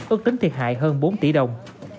ước tính thiệt hại hơn bốn tỷ đồng